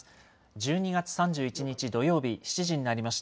１２月３１日土曜日、７時になりました。